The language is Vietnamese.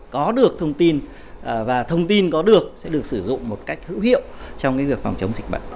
có được thông tin và thông tin có được sẽ được sử dụng một cách hữu hiệu trong việc phòng chống dịch bệnh